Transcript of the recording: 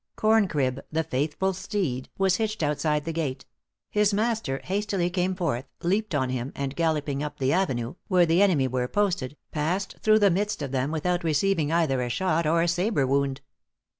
Corncrib, the faithful steed, was hitched outside the gate; his master hastily came forth, leaped on him, and galloping up the avenue, where the enemy were posted, passed through the midst of them without receiving either a shot or a sabre wound.